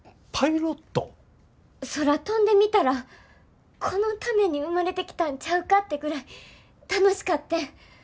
空飛んでみたらこのために生まれてきたんちゃうかってぐらい楽しかってん。